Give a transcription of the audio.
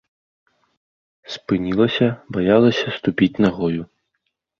Спынілася, баялася ступіць нагою.